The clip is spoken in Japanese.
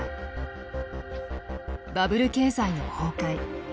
バブル経済の崩壊。